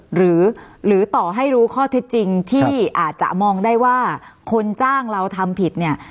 หรือต่อให้รู้ข้อเท็จจริงที่อาจจะมองได้ว่าคนจ้างเราทำผิดเนี่ย